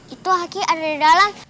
itu haki ada di dalam